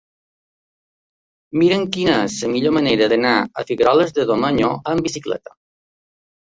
Mira'm quina és la millor manera d'anar a Figueroles de Domenyo amb bicicleta.